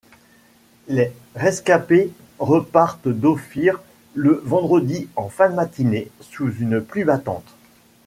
Les rescapés repartent d'Ofir le vendredi en fin de matinée, sous une pluie battante.